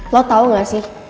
lo tau gak sih